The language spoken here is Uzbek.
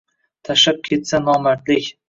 Tashlab ketsa nomardlik